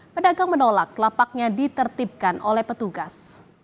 pedagang menolak lapaknya ditertibkan oleh petugas